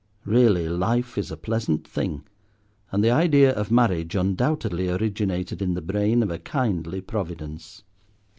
Really life is a pleasant thing, and the idea of marriage undoubtedly originated in the brain of a kindly Providence.